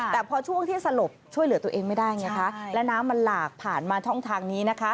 แต่พอช่วงที่สลบช่วยเหลือตัวเองไม่ได้ไงคะและน้ำมันหลากผ่านมาช่องทางนี้นะคะ